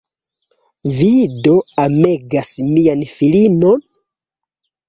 Vi do amegas mian filinon?